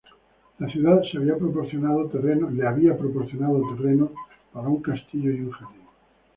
La ciudad le había proporcionado terreno para un castillo y un jardín.